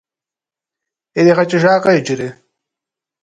Иригъэкӏыжакъэ иджыри?